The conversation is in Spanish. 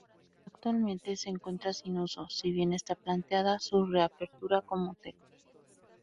Actualmente se encuentra sin uso, si bien está planteada su reapertura como hotel.